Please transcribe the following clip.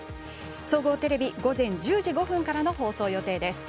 総合テレビ午前１０時５分からの放送予定です。